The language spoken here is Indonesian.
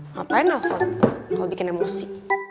ngapain alfon kalau bikin emosi